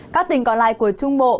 các tỉnh còn lại của trung bộ